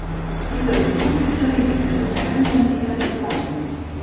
És herbívor i s'alimenta d'una gran quantitat de plantes.